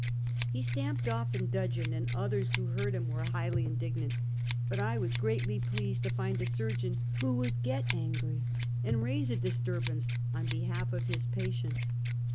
He stamped off in dudgeon, and others who heard him were highly indignant; but I was greatly pleased to find a surgeon who would get angry and raise a dis turbance on behalf of his patients.